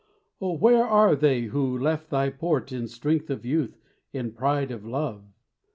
Oh, where are they who left thy port In strength of youth, in pride of love?